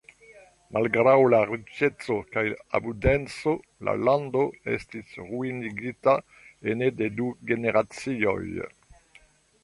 Malgraŭ la riĉeco kaj abundeco la lando estis ruinigita ene de du generacioj.